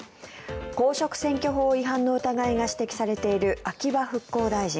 公職選挙法違反の疑いが指摘されている秋葉復興大臣。